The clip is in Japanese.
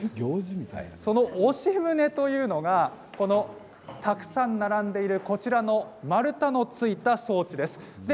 押し船というのがたくさん並んでいるこちらの丸太のついた装置です。